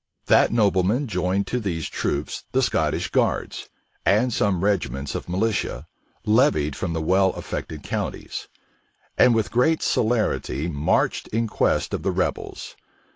That nobleman joined to these troops the Scottish guards, and some regiments of militia, levied from the well affected counties; and with great celerity marched in quest of the rebels.